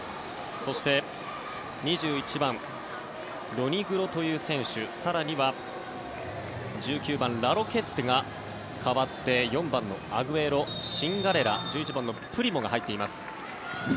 そして、２１番ロニグロという選手更には１９番、ラロケッテが代わって４番のアグエロシンガレラ１１番のプリモが入っています。